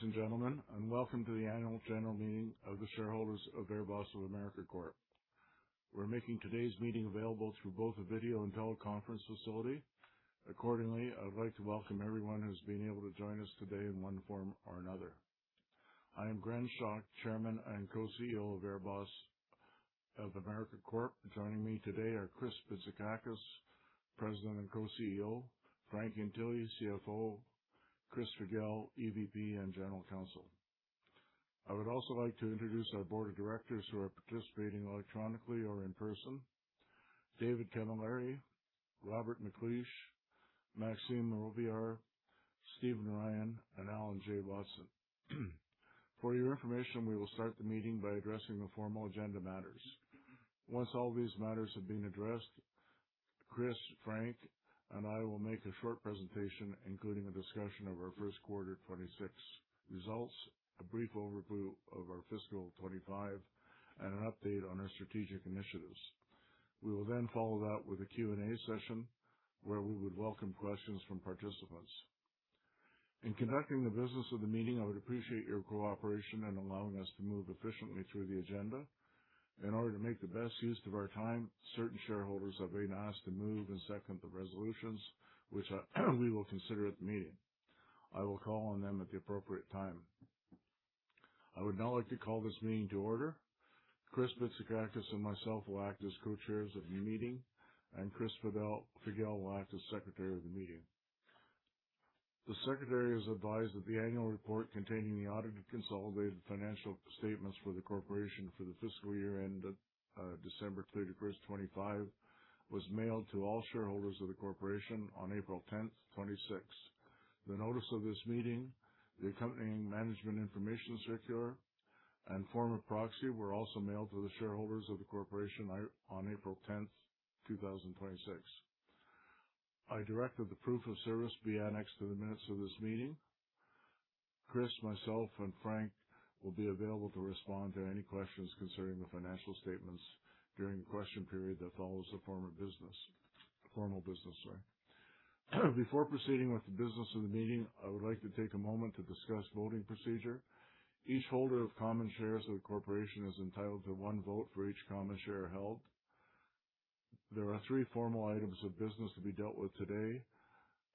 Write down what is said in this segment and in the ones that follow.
Good morning, ladies and gentlemen, and welcome to the annual general meeting of the shareholders of AirBoss of America Corp. We're making today's meeting available through both a video and teleconference facility. Accordingly, I would like to welcome everyone who's been able to join us today in one form or another. I am Gren Schoch, Chairman and Co-CEO of AirBoss of America Corp. Joining me today are Chris Bitsakakis, President and Co-CEO, Frank Ientile, CFO, Chris Figel, EVP and General Counsel. I would also like to introduce our board of directors who are participating electronically or in person. David Camilleri, Robert McLeish, Maxime Robillard, Stephen Ryan, and Alan J. Watson. For your information, we will start the meeting by addressing the formal agenda matters. Once all these matters have been addressed, Chris, Frank Ientile, and I will make a short presentation, including a discussion of our first quarter 2026 results, a brief overview of our fiscal 2025, and an update on our strategic initiatives. We will follow that with a Q&A session, where we would welcome questions from participants. In conducting the business of the meeting, I would appreciate your cooperation in allowing us to move efficiently through the agenda. In order to make the best use of our time, certain shareholders have been asked to move and second the resolutions, which we will consider at the meeting. I will call on them at the appropriate time. I would now like to call this meeting to order. Chris Bitsakakis and myself will act as co-chairs of the meeting, and Chris Figel will act as secretary of the meeting. The secretary is advised that the annual report containing the audited consolidated financial statements for the corporation for the fiscal year ended December 31st, 2025, was mailed to all shareholders of the corporation on April 10th, 2026. The notice of this meeting, the accompanying management information circular, and form of proxy were also mailed to the shareholders of the corporation on April 10th, 2026. I direct that the proof of service be annexed to the minutes of this meeting. Chris, myself, and Frank will be available to respond to any questions concerning the financial statements during the question period that follows the formal business. Before proceeding with the business of the meeting, I would like to take a moment to discuss voting procedure. Each holder of common shares of the corporation is entitled to one vote for each common share held. There are three formal items of business to be dealt with today.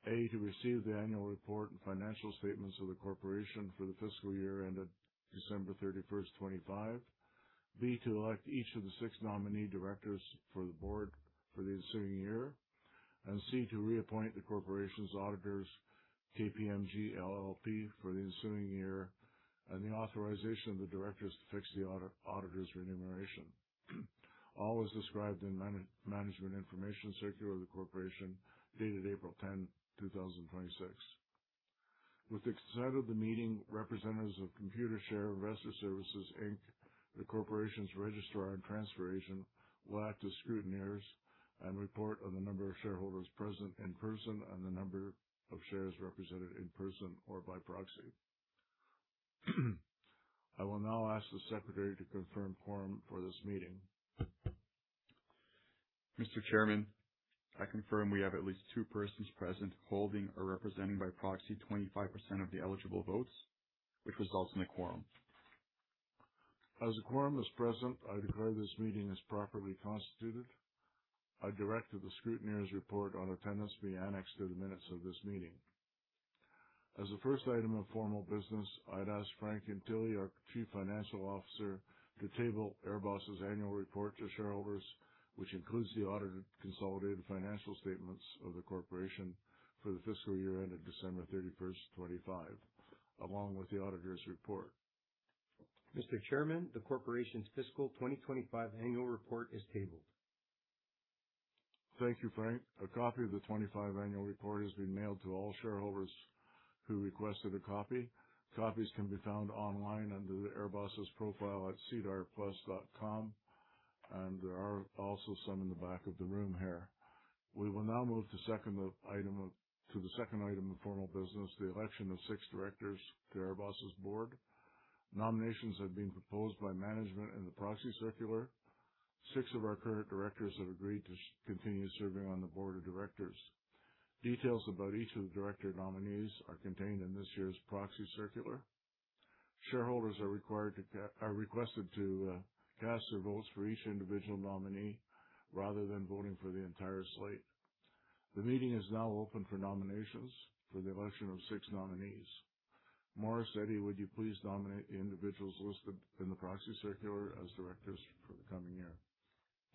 A, to receive the annual report and financial statements of the corporation for the fiscal year ended December 31st, 2025. B, to elect each of the six nominee directors for the board for the ensuing year. C, to reappoint the corporation's auditors, KPMG LLP, for the ensuing year, and the authorization of the directors to fix the auditor's remuneration. All is described in management information circular of the corporation, dated April 10, 2026. With the consent of the meeting, representatives of Computershare Investor Services Inc., the corporation's registrar and transfer agent, will act as scrutineers and report on the number of shareholders present in person and the number of shares represented in person or by proxy. I will now ask the secretary to confirm quorum for this meeting. Mr. Chairman, I confirm we have at least two persons present holding or representing by proxy 25% of the eligible votes, which results in a quorum. As a quorum is present, I declare this meeting is properly constituted. I direct that the scrutineer's report on attendance be annexed to the minutes of this meeting. As the first item of formal business, I'd ask Frank Ientile, our Chief Financial Officer, to table AirBoss's annual report to shareholders, which includes the audited consolidated financial statements of the corporation for the fiscal year ended December 31st, 2025, along with the auditor's report. Mr. Chairman, the corporation's fiscal 2025 annual report is tabled. Thank you, Frank. A copy of the 2025 annual report has been mailed to all shareholders who requested a copy. Copies can be found online under the AirBoss profile at sedarplus.com, and there are also some in the back of the room here. We will now move to the second item of formal business, the election of six directors to AirBoss's board. Nominations have been proposed by management in the proxy circular. Six of our current directors have agreed to continue serving on the board of directors. Details about each of the director nominees are contained in this year's proxy circular. Shareholders are requested to cast their votes for each individual nominee rather than voting for the entire slate. The meeting is now open for nominations for the election of six nominees. Morris Eddy, would you please nominate the individuals listed in the proxy circular as directors for the coming year?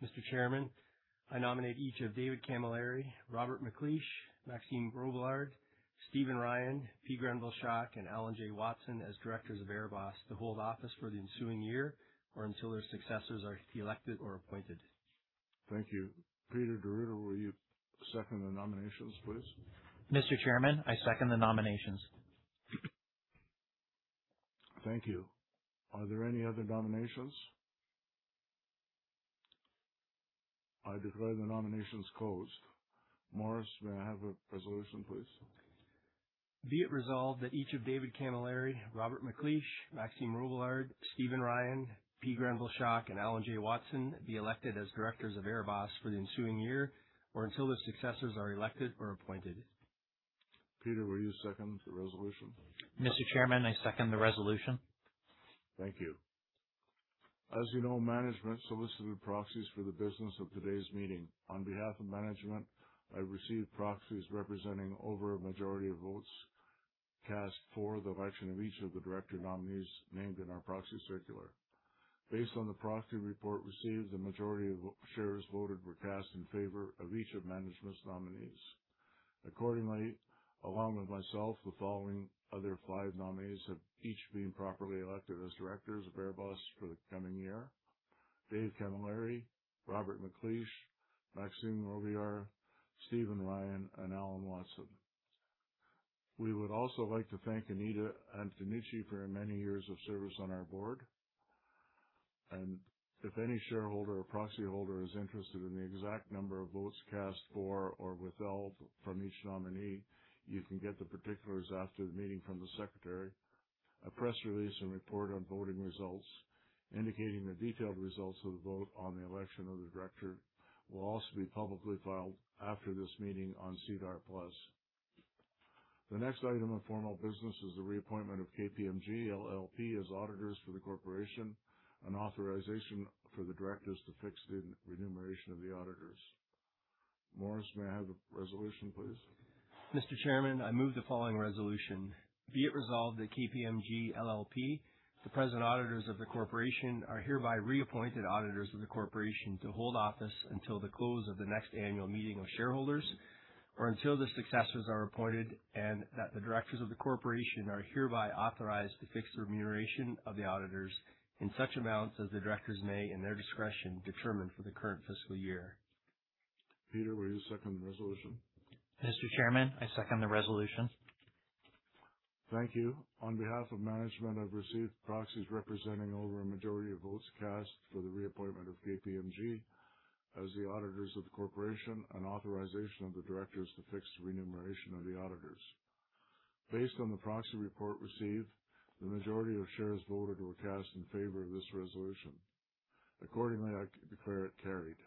Mr. Chairman, I nominate each of David Camilleri, Robert McLeish, Maxime Robillard, Stephen Ryan, P. Grenville Schoch, and Alan J. Watson as directors of AirBoss to hold office for the ensuing year or until their successors are elected or appointed. Thank you. Peter de Ruyter, will you second the nominations, please? Mr. Chairman, I second the nominations. Thank you. Are there any other nominations? I declare the nominations closed. Morris, may I have a resolution, please? Be it resolved that each of David Camilleri, Robert McLeish, Maxime Robillard, Stephen Ryan, P. Grenville Schoch, and Alan J. Watson be elected as directors of AirBoss for the ensuing year or until the successors are elected or appointed. Peter, will you second the resolution? Mr. Chairman, I second the resolution. Thank you. As you know, management solicited proxies for the business of today's meeting. On behalf of management, I received proxies representing over a majority of votes cast for the election of each of the director nominees named in our proxy circular. Based on the proxy report received, the majority of shares voted were cast in favor of each of management's nominees. Accordingly, along with myself, the following other five nominees have each been properly elected as directors of AirBoss for the coming year: Dave Camilleri, Robert McLeish, Maxime Robillard, Stephen Ryan, and Alan J. Watson. We would also like to thank Anita Antenucci for her many years of service on our board. If any shareholder or proxy holder is interested in the exact number of votes cast for or withheld from each nominee, you can get the particulars after the meeting from the secretary. A press release and report on voting results indicating the detailed results of the vote on the election of the director will also be publicly filed after this meeting on SEDAR Plus. The next item of formal business is the reappointment of KPMG LLP as auditors for the corporation, and authorization for the directors to fix the remuneration of the auditors. Morris, may I have the resolution, please? Mr. Chairman, I move the following resolution. Be it resolved that KPMG LLP, the present auditors of the corporation, are hereby reappointed auditors of the corporation to hold office until the close of the next annual meeting of shareholders or until the successors are appointed, and that the directors of the corporation are hereby authorized to fix the remuneration of the auditors in such amounts as the directors may, in their discretion, determine for the current fiscal year. Peter, will you second the resolution? Mr. Chairman, I second the resolution. Thank you. On behalf of management, I've received proxies representing over a majority of votes cast for the reappointment of KPMG as the auditors of the corporation and authorization of the directors to fix the remuneration of the auditors. Based on the proxy report received, the majority of shares voted were cast in favor of this resolution. Accordingly, I declare it carried.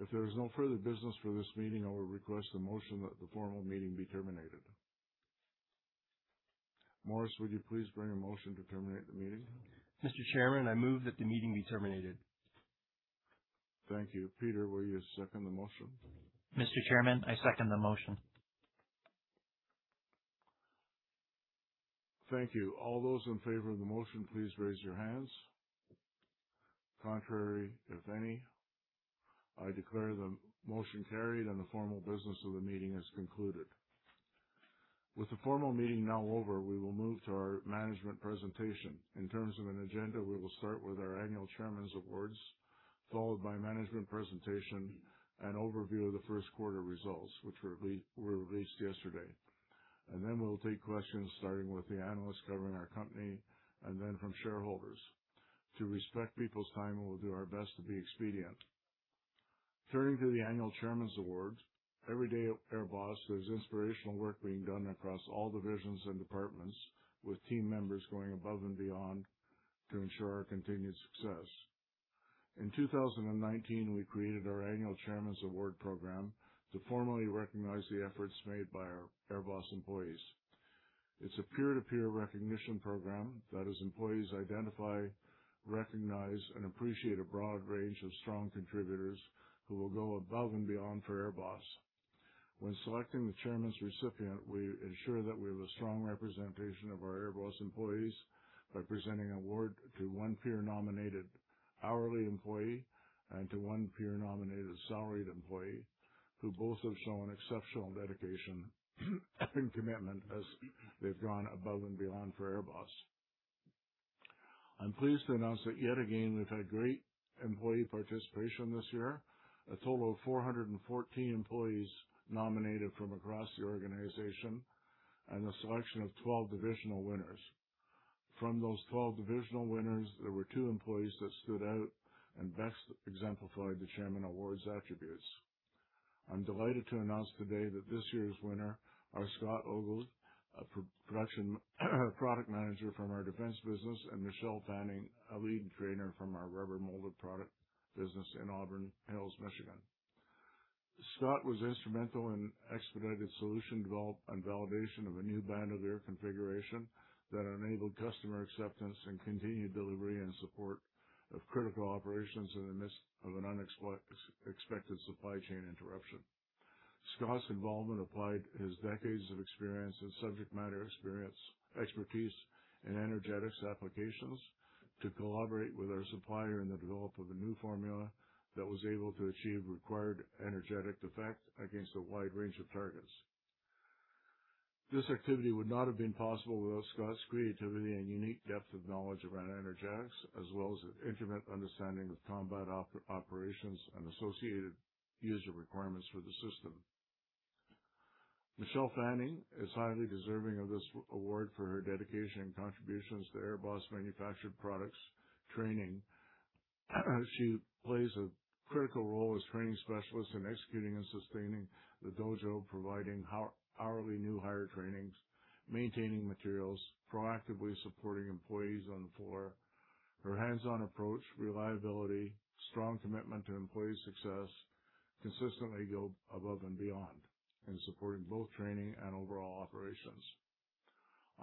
If there is no further business for this meeting, I would request a motion that the formal meeting be terminated. Morris, would you please bring a motion to terminate the meeting? Mr. Chairman, I move that the meeting be terminated. Thank you. Peter, will you second the motion? Mr. Chairman, I second the motion. Thank you. All those in favor of the motion, please raise your hands. Contrary, if any. I declare the motion carried and the formal business of the meeting is concluded. With the formal meeting now over, we will move to our management presentation. In terms of an agenda, we will start with our annual Chairman's Awards, followed by management presentation and overview of the first quarter results, which were released yesterday. Then we'll take questions, starting with the analysts covering our company, and then from shareholders. To respect people's time, we will do our best to be expedient. Turning to the annual Chairman's Awards, every day at AirBoss, there's inspirational work being done across all divisions and departments, with team members going above and beyond to ensure our continued success. In 2019, we created our annual Chairman's Award program to formally recognize the efforts made by our AirBoss employees. It's a peer-to-peer recognition program that has employees identify, recognize, and appreciate a broad range of strong contributors who will go above and beyond for AirBoss. When selecting the Chairman's recipient, we ensure that we have a strong representation of our AirBoss employees by presenting an award to one peer-nominated hourly employee and to one peer-nominated salaried employee who both have shown exceptional dedication and commitment as they've gone above and beyond for AirBoss. I'm pleased to announce that yet again, we've had great employee participation this year. A total of 414 employees nominated from across the organization and a selection of 12 divisional winners. From those 12 divisional winners, there were two employees that stood out and best exemplified the Chairman Awards attributes. I'm delighted to announce today that this year's winner are Scott Ogles, a Production Product Manager from our defense business, and Michelle Fanning, a Lead Trainer from our rubber molded product business in Auburn Hills, Michigan. Scott was instrumental in expedited solution development and validation of a new Bandolier configuration that enabled customer acceptance and continued delivery and support of critical operations in the midst of an unexpected supply chain interruption. Scott's involvement applied his decades of experience and subject matter experience, expertise in energetics applications to collaborate with our supplier in the development of a new formula that was able to achieve required energetic effect against a wide range of targets. This activity would not have been possible without Scott's creativity and unique depth of knowledge around energetics, as well as an intimate understanding of combat operations and associated user requirements for the system. Michelle Fanning is highly deserving of this award for her dedication and contributions to AirBoss Manufactured Products training. She plays a critical role as training specialist in executing and sustaining the dojo, providing hourly new hire trainings, maintaining materials, proactively supporting employees on the floor. Her hands-on approach, reliability, strong commitment to employee success consistently go above and beyond in supporting both training and overall operations.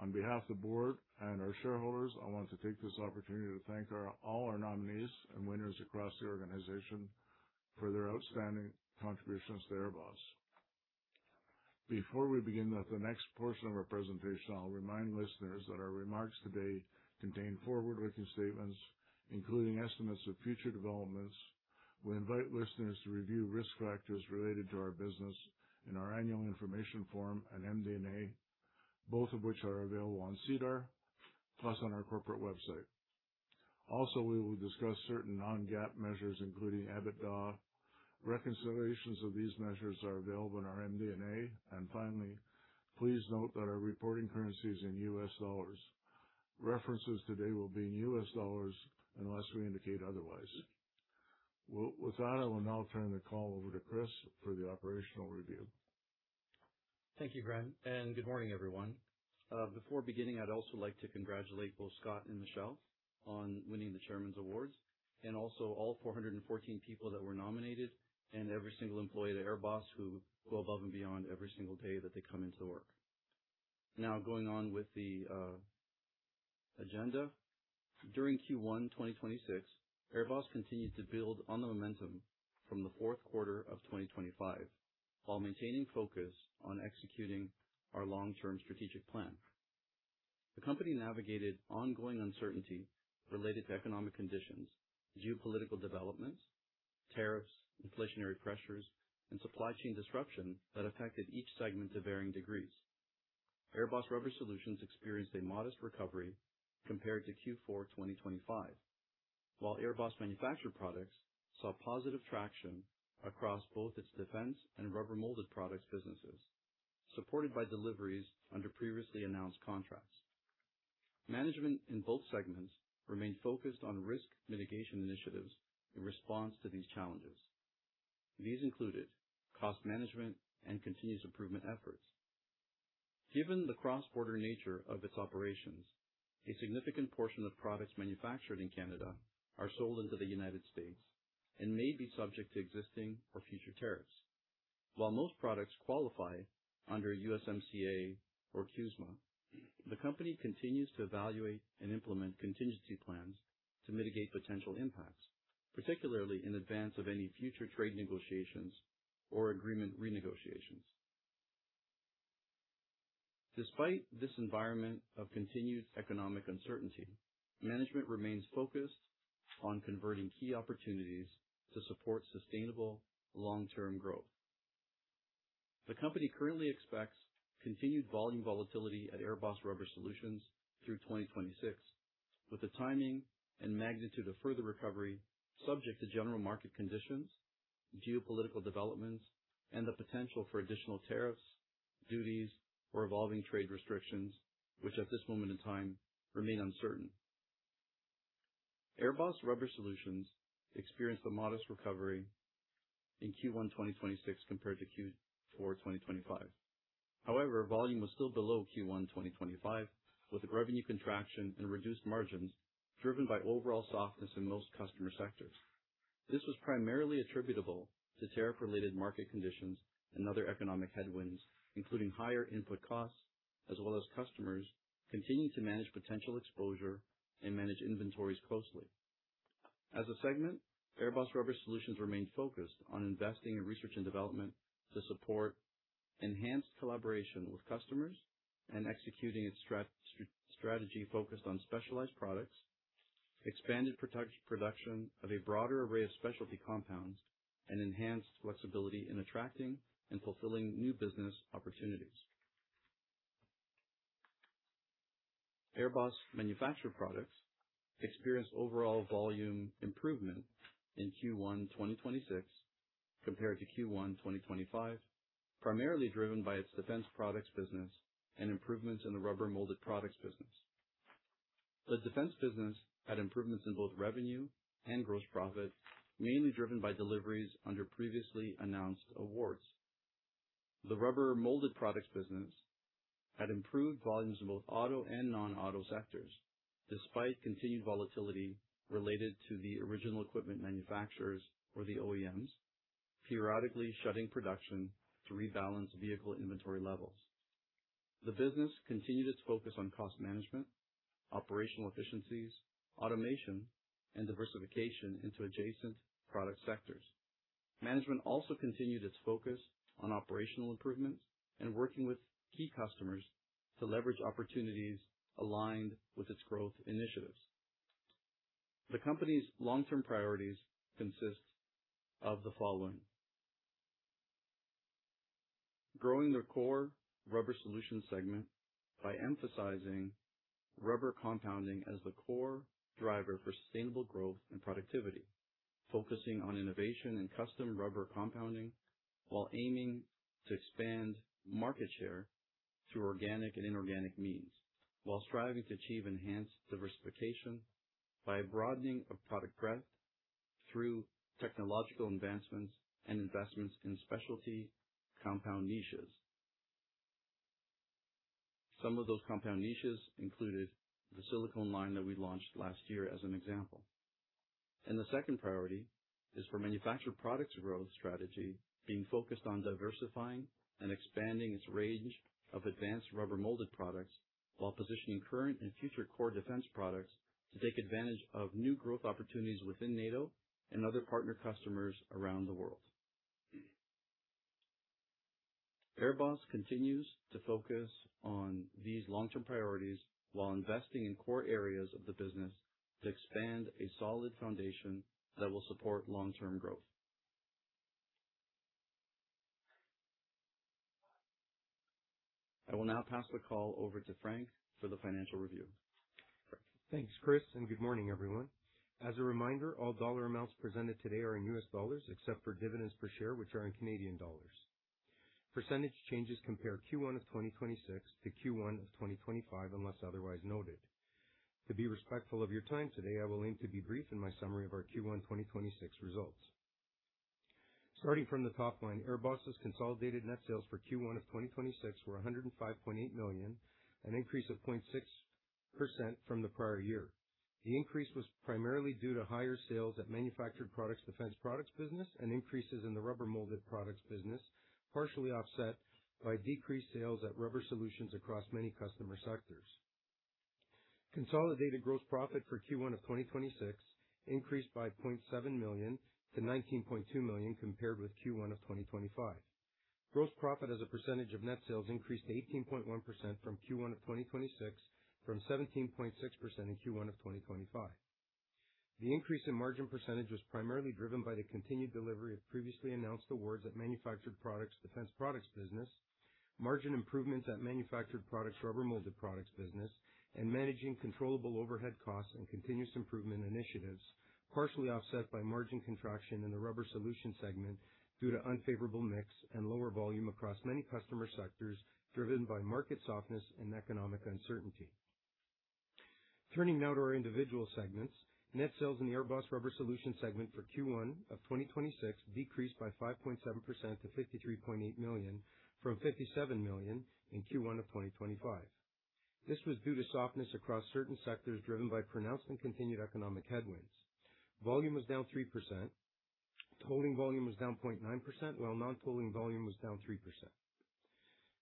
On behalf of the board and our shareholders, I want to take this opportunity to thank all our nominees and winners across the organization for their outstanding contributions to AirBoss. Before we begin the next portion of our presentation, I'll remind listeners that our remarks today contain forward-looking statements, including estimates of future developments. We invite listeners to review risk factors related to our business in our annual information form and MD&A, both of which are available on SEDAR Plus on our corporate website. Also, we will discuss certain non-GAAP measures, including EBITDA. Reconciliations of these measures are available in our MD&A. Finally, please note that our reporting currency is in U.S. dollars. References today will be in U.S. dollars unless we indicate otherwise. With that, I will now turn the call over to Chris for the operational review. Thank you, Gren. Good morning, everyone. Before beginning, I'd also like to congratulate both Scott and Michelle on winning the Chairman's Awards and also all 414 people that were nominated and every single employee at AirBoss who go above and beyond every single day that they come into work. Going on with the agenda. During Q1 2026, AirBoss continued to build on the momentum from the fourth quarter of 2025 while maintaining focus on executing our long-term strategic plan. The company navigated ongoing uncertainty related to economic conditions, geopolitical developments, tariffs, inflationary pressures, and supply chain disruption that affected each segment to varying degrees. AirBoss Rubber Solutions experienced a modest recovery compared to Q4 2025, while AirBoss Manufactured Products saw positive traction across both its defense and rubber molded products businesses, supported by deliveries under previously announced contracts. Management in both segments remained focused on risk mitigation initiatives in response to these challenges. These included cost management and continuous improvement efforts. Given the cross-border nature of its operations, a significant portion of products manufactured in Canada are sold into the United States and may be subject to existing or future tariffs. While most products qualify under USMCA or CUSMA, the company continues to evaluate and implement contingency plans to mitigate potential impacts, particularly in advance of any future trade negotiations or agreement renegotiations. Despite this environment of continued economic uncertainty, management remains focused on converting key opportunities to support sustainable long-term growth. The company currently expects continued volume volatility at AirBoss Rubber Solutions through 2026, with the timing and magnitude of further recovery subject to general market conditions, geopolitical developments, and the potential for additional tariffs, duties, or evolving trade restrictions, which at this moment in time remain uncertain. AirBoss Rubber Solutions experienced a modest recovery in Q1 2026 compared to Q4 2025. Volume was still below Q1 2025, with a revenue contraction and reduced margins driven by overall softness in most customer sectors. This was primarily attributable to tariff-related market conditions and other economic headwinds, including higher input costs, as well as customers continuing to manage potential exposure and manage inventories closely. As a segment, AirBoss Rubber Solutions remained focused on investing in research and development to support enhanced collaboration with customers and executing its strategy focused on specialized products, expanded production of a broader array of specialty compounds, and enhanced flexibility in attracting and fulfilling new business opportunities. AirBoss Manufactured Products experienced overall volume improvement in Q1 2026 compared to Q1 2025, primarily driven by its defense products business and improvements in the rubber molded products business. The defense business had improvements in both revenue and gross profit, mainly driven by deliveries under previously announced awards. The rubber molded products business had improved volumes in both auto and non-auto sectors, despite continued volatility related to the original equipment manufacturers, or the OEMs, periodically shutting production to rebalance vehicle inventory levels. The business continued its focus on cost management, operational efficiencies, automation, and diversification into adjacent product sectors. Management also continued its focus on operational improvements and working with key customers to leverage opportunities aligned with its growth initiatives. The company's long-term priorities consist of the following. Growing their core rubber solutions segment by emphasizing rubber compounding as the core driver for sustainable growth and productivity, focusing on innovation and custom rubber compounding while aiming to expand market share through organic and inorganic means, while striving to achieve enhanced diversification by broadening of product breadth through technological advancements and investments in specialty compound niches. Some of those compound niches included the silicone line that we launched last year as an example. The second priority is for manufactured products growth strategy being focused on diversifying and expanding its range of advanced rubber molded products while positioning current and future core defense products to take advantage of new growth opportunities within NATO and other partner customers around the world. AirBoss continues to focus on these long-term priorities while investing in core areas of the business to expand a solid foundation that will support long-term growth. I will now pass the call over to Frank for the financial review. Thanks, Chris, and good morning everyone. As a reminder, all dollar amounts presented today are in U.S. dollars, except for dividends per share, which are in Canadian dollars. Percentage changes compare Q1 of 2026 to Q1 of 2025, unless otherwise noted. To be respectful of your time today, I will aim to be brief in my summary of our Q1 2026 results. Starting from the top line, AirBoss's consolidated net sales for Q1 of 2026 were $105.8 million, an increase of 0.6% from the prior year. The increase was primarily due to higher sales at manufactured products defense products business and increases in the rubber molded products business, partially offset by decreased sales at Rubber Solutions across many customer sectors. Consolidated gross profit for Q1 of 2026 increased by $0.7 million to $19.2 million compared with Q1 of 2025. Gross profit as a percentage of net sales increased to 18.1% from Q1 of 2026 from 17.6% in Q1 of 2025. The increase in margin percentage was primarily driven by the continued delivery of previously announced awards at Manufactured Products Defense Products business, margin improvements at Manufactured Products Rubber Molded Products business, and managing controllable overhead costs and continuous improvement initiatives, partially offset by margin contraction in the Rubber Solutions segment due to unfavorable mix and lower volume across many customer sectors driven by market softness and economic uncertainty. Turning now to our individual segments. Net sales in the AirBoss Rubber Solutions segment for Q1 of 2026 decreased by 5.7% to $53.8 million from $57 million in Q1 of 2025. This was due to softness across certain sectors driven by pronounced and continued economic headwinds. Volume was down 3%. Tolling volume was down 0.9%, while non-tolling volume was down 3%.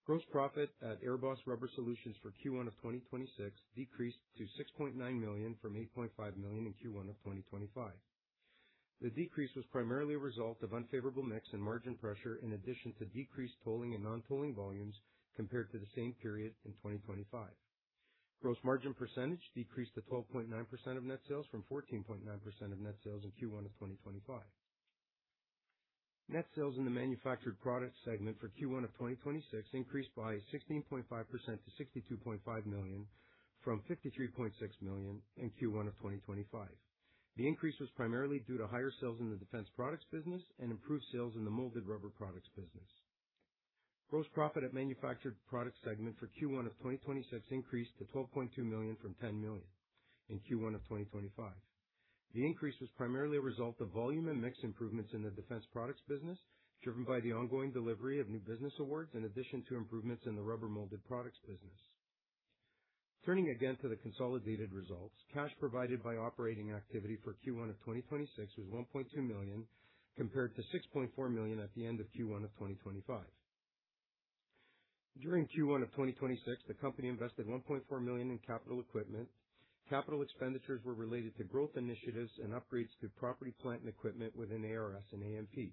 Gross profit at AirBoss Rubber Solutions for Q1 of 2026 decreased to $6.9 million from $8.5 million in Q1 of 2025. The decrease was primarily a result of unfavorable mix and margin pressure in addition to decreased tolling and non-tolling volumes compared to the same period in 2025. Gross margin percentage decreased to 12.9% of net sales from 14.9% of net sales in Q1 of 2025. Net sales in the Manufactured Products Segment for Q1 of 2026 increased by 16.5% to $62.5 million from $53.6 million in Q1 of 2025. The increase was primarily due to higher sales in the defense products business and improved sales in the molded rubber products business. Gross profit at Manufactured Products Segment for Q1 of 2026 increased to $12.2 million from $10 million in Q1 of 2025. The increase was primarily a result of volume and mix improvements in the defense products business, driven by the ongoing delivery of new business awards, in addition to improvements in the rubber molded products business. Turning again to the consolidated results. Cash provided by operating activity for Q1 2026 was $1.2 million, compared to $6.4 million at the end of Q1 2025. During Q1 2026, the company invested $1.4 million in capital equipment. Capital expenditures were related to growth initiatives and upgrades to property, plant, and equipment within ARS and AMP.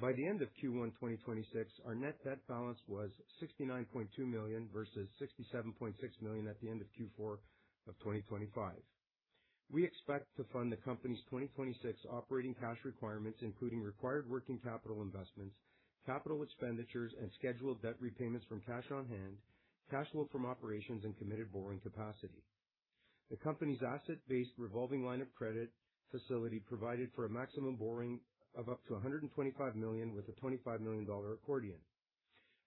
By the end of Q1 2026, our net debt balance was $69.2 million versus $67.6 million at the end of Q4 2025. We expect to fund the company's 2026 operating cash requirements, including required working capital investments, capital expenditures, and scheduled debt repayments from cash on hand, cash flow from operations, and committed borrowing capacity. The company's asset-based revolving line of credit facility provided for a maximum borrowing of up to $125 million with a $25 million accordion.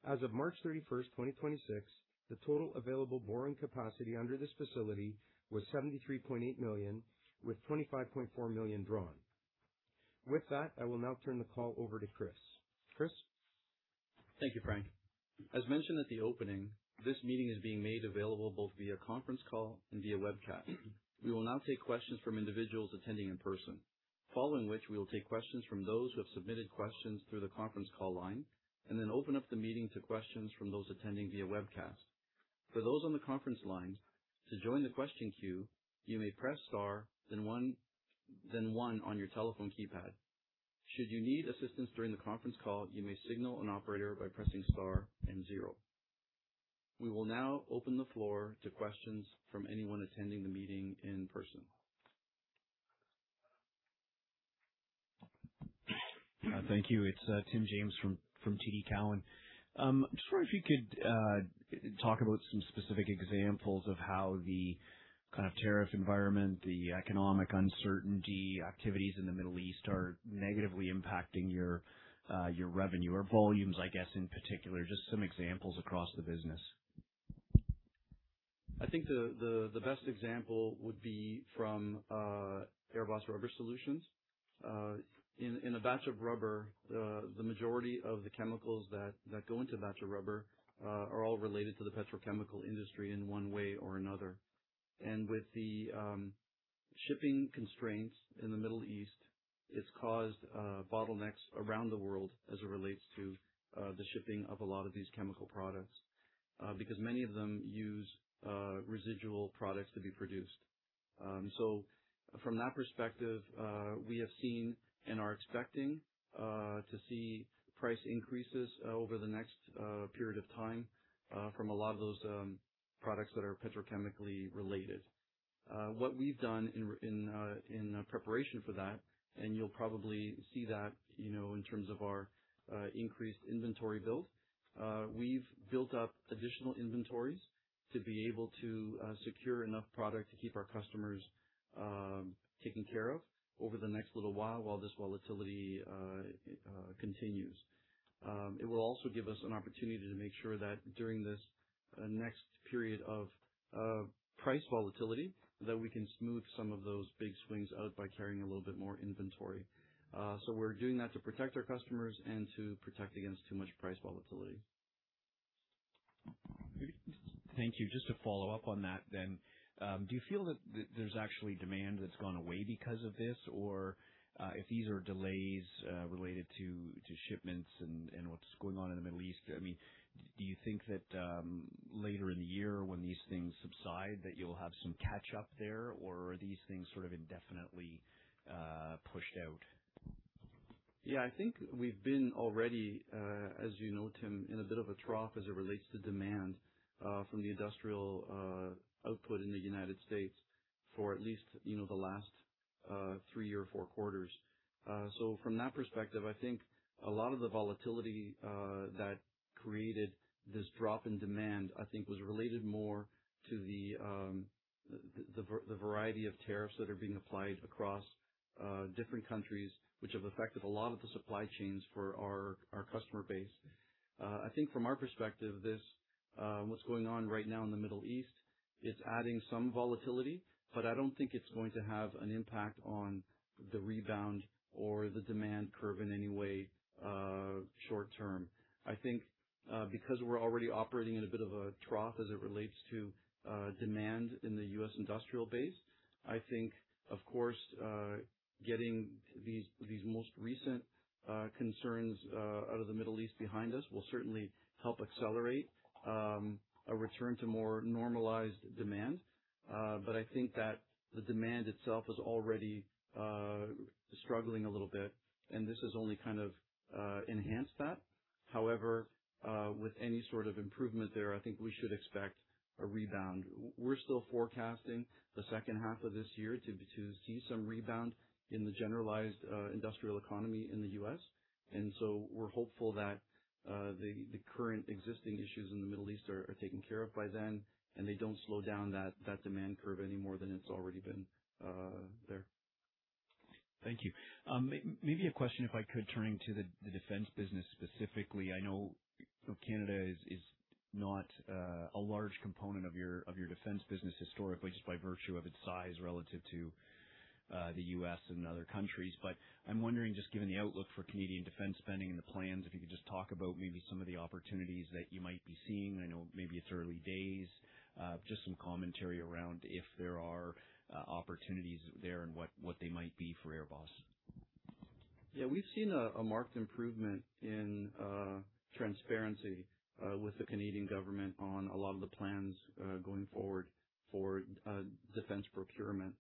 As of March 31st, 2026, the total available borrowing capacity under this facility was $73.8 million, with $25.4 million drawn. With that, I will now turn the call over to Chris. Chris? Thank you, Frank. As mentioned at the opening, this meeting is being made available both via conference call and via webcast. We will now take questions from individuals attending in person, following which we will take questions from those who have submitted questions through the conference call line, and then open up the meeting to questions from those attending via webcast. For those on the conference line, to join the question queue, you may press star then one on your telephone keypad. Should you need assistance during the conference call, you may signal an operator by pressing star and zero. We will now open the floor to questions from anyone attending the meeting in person. Thank you. It is Tim James from TD Cowen. I am just wondering if you could talk about some specific examples of how the tariff environment, the economic uncertainty, activities in the Middle East are negatively impacting your revenue or volumes, I guess in particular, just some examples across the business. I think the best example would be from AirBoss Rubber Solutions. In a batch of rubber, the majority of the chemicals that go into a batch of rubber are all related to the petrochemical industry in one way or another. With the shipping constraints in the Middle East, it's caused bottlenecks around the world as it relates to the shipping of a lot of these chemical products, because many of them use residual products to be produced. From that perspective, we have seen and are expecting to see price increases over the next period of time from a lot of those products that are petrochemically related. What we've done in preparation for that, and you'll probably see that in terms of our increased inventory build, we've built up additional inventories to be able to secure enough product to keep our customers taken care of over the next little while this volatility continues. It will also give us an opportunity to make sure that during this next period of price volatility, that we can smooth some of those big swings out by carrying a little bit more inventory. We're doing that to protect our customers and to protect against too much price volatility. Thank you. Just to follow up on that. Do you feel that there's actually demand that's gone away because of this? If these are delays related to shipments and what's going on in the Middle East, do you think that later in the year when these things subside, that you'll have some catch up there? Are these things sort of indefinitely pushed out? I think we've been already, as you know, Tim, in a bit of a trough as it relates to demand from the industrial output in the U.S. for at least the last three or four quarters. From that perspective, I think a lot of the volatility that created this drop in demand, I think was related more to the variety of tariffs that are being applied across different countries, which have affected a lot of the supply chains for our customer base. I think from our perspective, what's going on right now in the Middle East, it's adding some volatility, but I don't think it's going to have an impact on the rebound or the demand curve in any way short-term. I think because we're already operating in a bit of a trough as it relates to demand in the U.S. industrial base, I think, of course, getting these most recent concerns out of the Middle East behind us will certainly help accelerate a return to more normalized demand. I think that the demand itself is already struggling a little bit, and this has only kind of enhanced that. With any sort of improvement there, I think we should expect a rebound. We're still forecasting the second half of this year to see some rebound in the generalized industrial economy in the U.S. We're hopeful that the current existing issues in the Middle East are taken care of by then, and they don't slow down that demand curve any more than it's already been there. Thank you. Maybe a question, if I could, turning to the defense business specifically. I know Canada is not a large component of your defense business historically, just by virtue of its size relative to the U.S. and other countries. I'm wondering, just given the outlook for Canadian defense spending and the plans, if you could just talk about maybe some of the opportunities that you might be seeing. I know maybe it's early days. Just some commentary around if there are opportunities there and what they might be for AirBoss. Yeah, we've seen a marked improvement in transparency with the Canadian government on a lot of the plans going forward for defense procurement.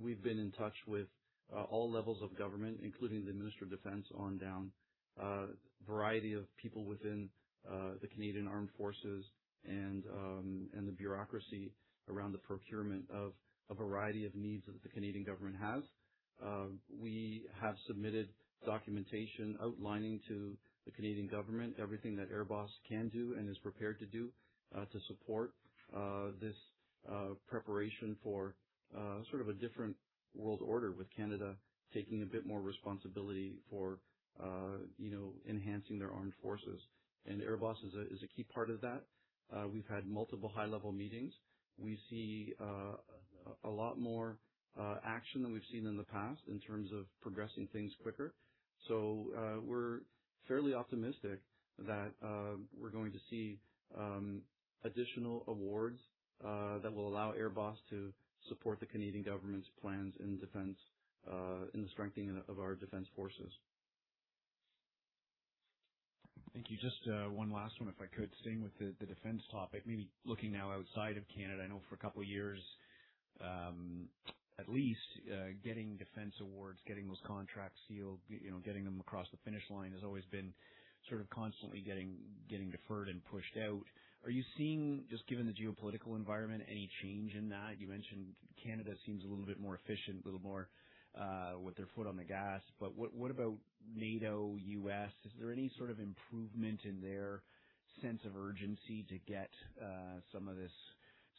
We've been in touch with all levels of government, including the Minister of Defense on down, a variety of people within the Canadian Armed Forces and the bureaucracy around the procurement of a variety of needs that the Canadian government has. We have submitted documentation outlining to the Canadian government everything that AirBoss can do and is prepared to do to support this preparation for sort of a different world order, with Canada taking a bit more responsibility for enhancing their armed forces. AirBoss is a key part of that. We've had multiple high-level meetings. We see a lot more action than we've seen in the past in terms of progressing things quicker. We're fairly optimistic that we're going to see additional awards that will allow AirBoss to support the Canadian government's plans in the strengthening of our defense forces. Thank you. Just one last one, if I could. Staying with the defense topic, maybe looking now outside of Canada, I know for a couple of years at least, getting defense awards, getting those contracts sealed, getting them across the finish line has always been sort of constantly getting deferred and pushed out. Are you seeing, just given the geopolitical environment, any change in that? You mentioned Canada seems a little bit more efficient, a little more with their foot on the gas. What about NATO, U.S.? Is there any sort of improvement in their sense of urgency to get some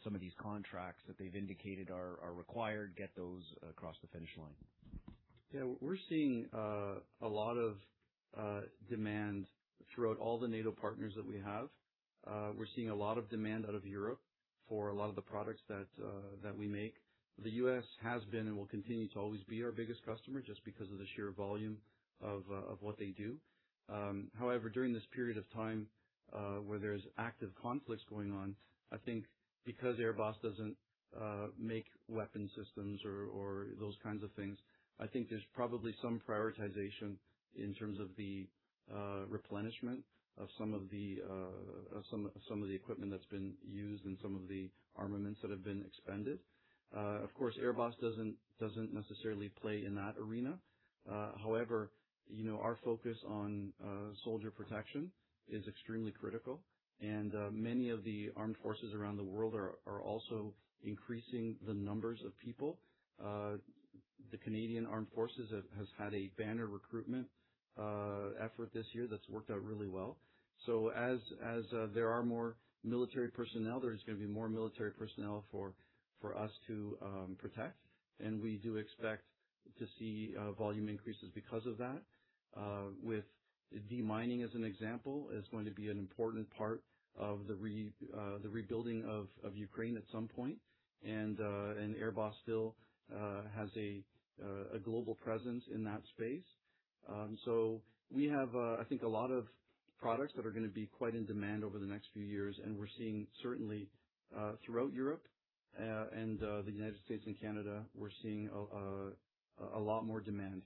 of these contracts that they've indicated are required, get those across the finish line? Yeah, we're seeing a lot of demand throughout all the NATO partners that we have. We're seeing a lot of demand out of Europe. For a lot of the products that we make, the U.S. has been and will continue to always be our biggest customer just because of the sheer volume of what they do. However, during this period of time where there's active conflicts going on, I think because AirBoss doesn't make weapon systems or those kinds of things, I think there's probably some prioritization in terms of the replenishment of some of the equipment that's been used and some of the armaments that have been expended. Of course, AirBoss doesn't necessarily play in that arena. However, our focus on soldier protection is extremely critical and many of the armed forces around the world are also increasing the numbers of people. The Canadian Armed Forces has had a banner recruitment effort this year that's worked out really well. As there are more military personnel, there's going to be more military personnel for us to protect, and we do expect to see volume increases because of that. With de-mining as an example, is going to be an important part of the rebuilding of Ukraine at some point, and AirBoss still has a global presence in that space. We have, I think, a lot of products that are going to be quite in demand over the next few years, and we're seeing certainly, throughout Europe, and the U.S. and Canada, we're seeing a lot more demand.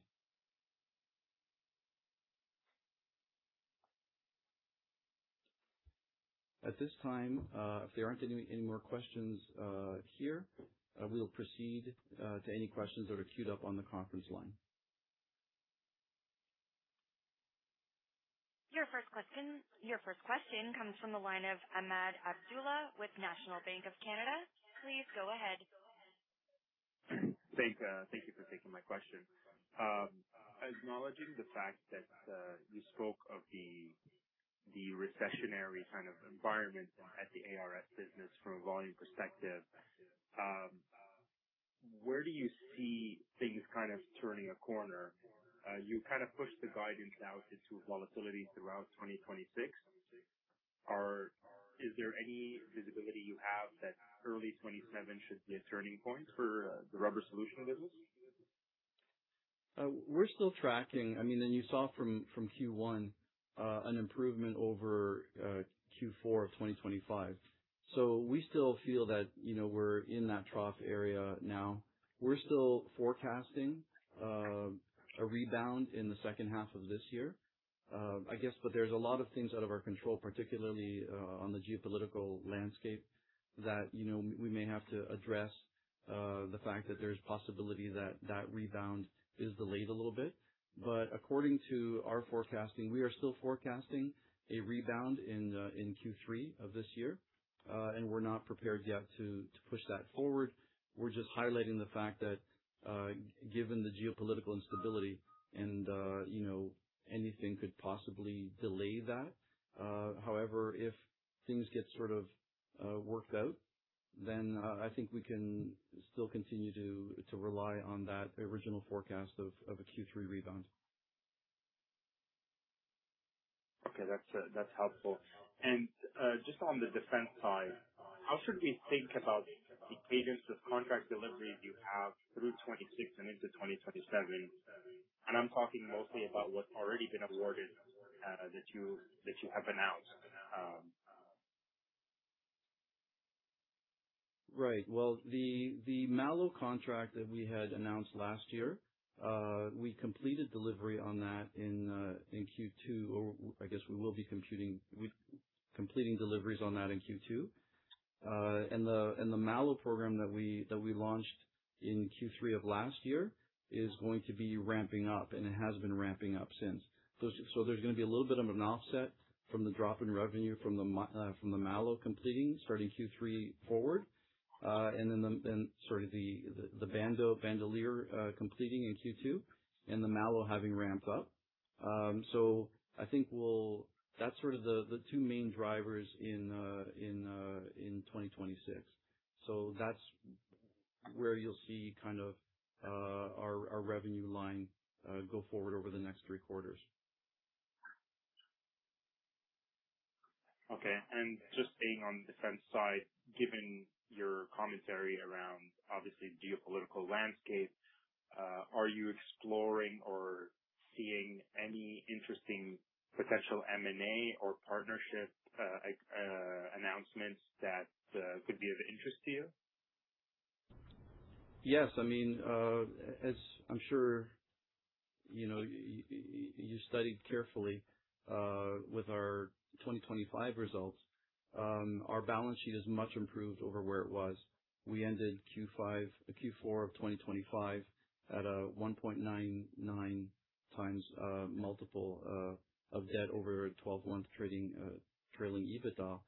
At this time, if there aren't any more questions here, we'll proceed to any questions that are queued up on the conference line. Your first question comes from the line of Ahmed Abdullah with National Bank of Canada. Please go ahead. Thank you for taking my question. Acknowledging the fact that you spoke of the recessionary kind of environment at the ARS business from a volume perspective, where do you see things kind of turning a corner? You kind of pushed the guidance out to volatility throughout 2026. Is there any visibility you have that early 2027 should be a turning point for the rubber solution business? We're still tracking. You saw from Q1 an improvement over Q4 of 2025. We still feel that we're in that trough area now. We're still forecasting a rebound in the second half of this year. There's a lot of things out of our control, particularly on the geopolitical landscape that we may have to address the fact that there's possibility that that rebound is delayed a little bit. According to our forecasting, we are still forecasting a rebound in Q3 of this year. We're not prepared yet to push that forward. We're just highlighting the fact that given the geopolitical instability and anything could possibly delay that. However, if things get sort of worked out, then I think we can still continue to rely on that original forecast of a Q3 rebound. Okay, that's helpful. Just on the defense side, how should we think about the cadence of contract deliveries you have through 2026 and into 2027? I'm talking mostly about what's already been awarded, that you have announced. Right. Well, the MALO contract that we had announced last year, we completed delivery on that in Q2, or I guess we will be completing deliveries on that in Q2. The MALO program that we launched in Q3 of last year is going to be ramping up, and it has been ramping up since. There's going to be a little bit of an offset from the drop in revenue from the MALO completing starting Q3 forward. The sort of the Bandolier completing in Q2 and the MALO having ramped up. I think that's sort of the two main drivers in 2026. That's where you'll see kind of our revenue line go forward over the next three quarters. Okay. Just staying on the defense side, given your commentary around obviously geopolitical landscape, are you exploring or seeing any interesting potential M&A or partnership announcements that could be of interest to you? Yes. As I'm sure you studied carefully with our 2025 results, our balance sheet is much improved over where it was. We ended Q4 of 2025 at a 1.99x multiple of debt over a 12-month trailing EBITDA.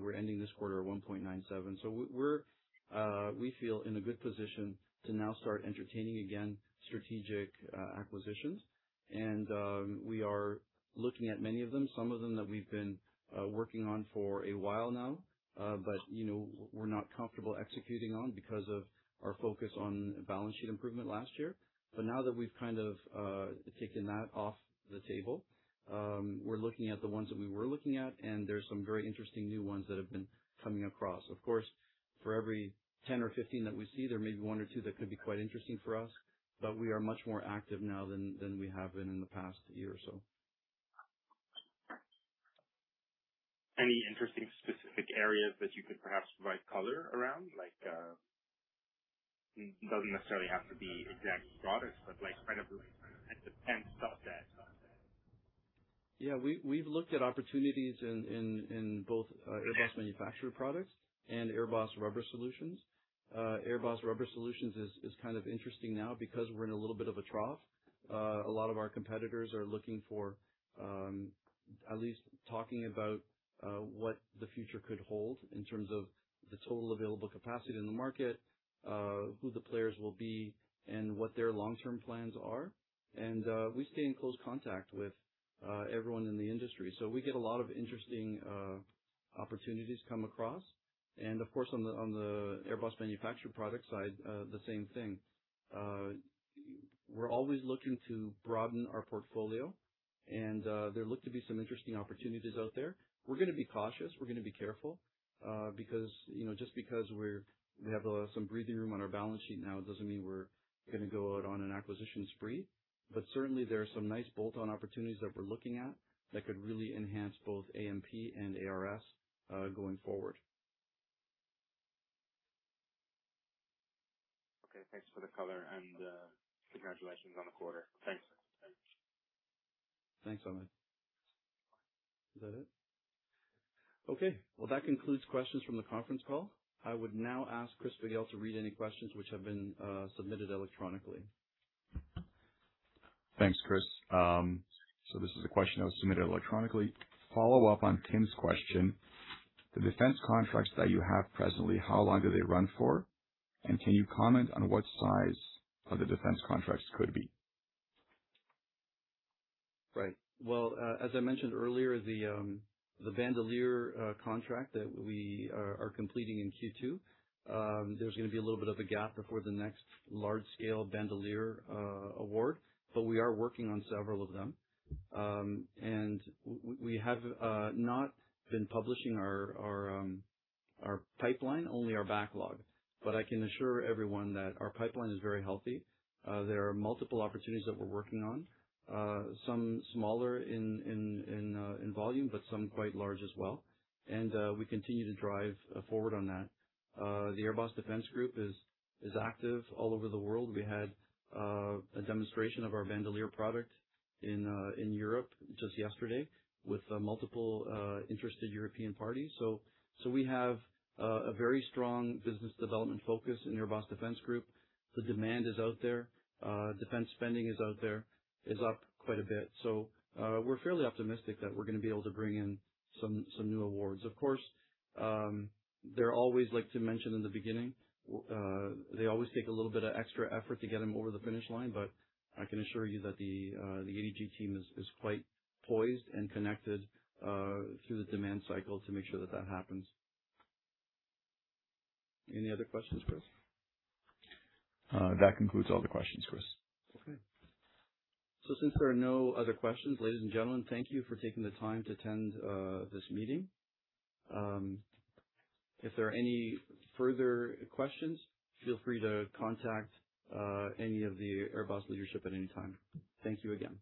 We're ending this quarter at 1.97. We feel in a good position to now start entertaining again strategic acquisitions. We are looking at many of them, some of them that we've been working on for a while now. We're not comfortable executing on because of our focus on balance sheet improvement last year. Now that we've kind of taken that off the table, we're looking at the ones that we were looking at. There's some very interesting new ones that have been coming across. Of course, for every 10 or 15 that we see, there may be one or two that could be quite interesting for us. We are much more active now than we have been in the past year or so. Any interesting specific areas that you could perhaps provide color around? It doesn't necessarily have to be exact products, but kind of at the pen stuff that. Yeah. We've looked at opportunities in both AirBoss Manufactured Products and AirBoss Rubber Solutions. AirBoss Rubber Solutions is kind of interesting now because we're in a little bit of a trough. A lot of our competitors are looking for at least talking about what the future could hold in terms of the total available capacity in the market, who the players will be, and what their long-term plans are. We stay in close contact with everyone in the industry. We get a lot of interesting opportunities come across. Of course, on the AirBoss Manufactured Product side, the same thing. We're always looking to broaden our portfolio, and there look to be some interesting opportunities out there. We're going to be cautious. We're going to be careful because just because we have some breathing room on our balance sheet now doesn't mean we're going to go out on an acquisition spree. Certainly, there are some nice bolt-on opportunities that we're looking at that could really enhance both AMP and ARS going forward. Okay. Thanks for the color. Congratulations on the quarter. Thanks. Thanks, Ahmed. Is that it? Okay. Well, that concludes questions from the conference call. I would now ask Chris Figel to read any questions which have been submitted electronically. Thanks, Chris. This is a question that was submitted electronically. Follow-up on Tim's question. The defense contracts that you have presently, how long do they run for? Can you comment on what size of the defense contracts could be? Right. Well, as I mentioned earlier, the Bandolier contract that we are completing in Q2, there's going to be a little bit of a gap before the next large-scale Bandolier award, but we are working on several of them. We have not been publishing our pipeline, only our backlog. I can assure everyone that our pipeline is very healthy. There are multiple opportunities that we're working on, some smaller in volume, but some quite large as well. We continue to drive forward on that. The AirBoss Defense Group is active all over the world. We had a demonstration of our Bandolier product in Europe just yesterday with multiple interested European parties. We have a very strong business development focus in AirBoss Defense Group. The demand is out there. Defense spending is out there, is up quite a bit. We're fairly optimistic that we're going to be able to bring in some new awards. Of course, they're always like to mention in the beginning, they always take a little bit of extra effort to get them over the finish line, but I can assure you that the ADG team is quite poised and connected through the demand cycle to make sure that that happens. Any other questions, Chris? That concludes all the questions, Chris. Okay. Since there are no other questions, ladies and gentlemen, thank you for taking the time to attend this meeting. If there are any further questions, feel free to contact any of the AirBoss leadership at any time. Thank you again.